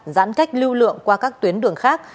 giãn cách lưu lượng qua các tuyến đường khác